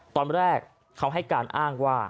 ตอนแรกเขาให้การอ้างว่า